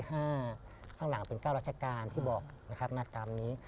ข้างหลังเป็น๙ราชการที่บอกนะครับมาตามนี้